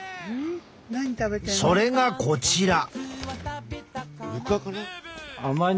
それがこちら。